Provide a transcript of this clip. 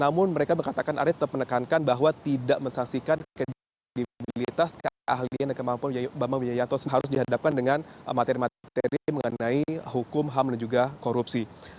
namun mereka mengatakan artinya terpenekankan bahwa tidak mensangsikan kredibilitas keahlian kemampuan bimbi jayanto harus dihadapkan dengan materi materi mengenai hukum ham dan juga korupsi